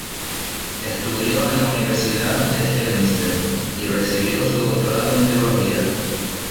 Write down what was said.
Estudió en la Universidad de Helmstedt y recibió su doctorado en teología.